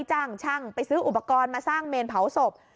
จ้างช่างไปซื้ออุปกรณ์มาสร้างเมนเผาศพ